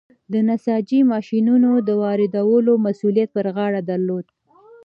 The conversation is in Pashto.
د نساجۍ ماشینونو د واردولو مسوولیت پر غاړه درلود.